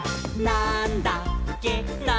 なんだっけ？！」